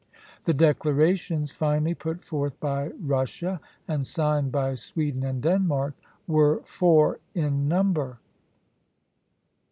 The declarations finally put forth by Russia, and signed by Sweden and Denmark, were four in number: 1.